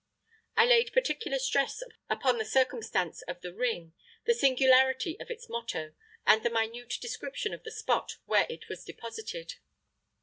I laid particular stress upon the circumstance of the ring, the singularity of its motto, and the minute description of the spot where it was deposited.